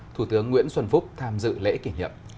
thủ tướng nguyễn xuân phúc tham dự lễ kỷ niệm